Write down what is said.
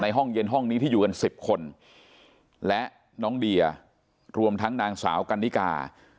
ห้องเย็นห้องนี้ที่อยู่กัน๑๐คนและน้องเดียรวมทั้งนางสาวกันนิกา